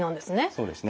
そうですね。